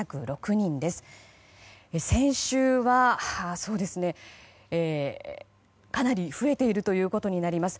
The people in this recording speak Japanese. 先週から、かなり増えているということになります。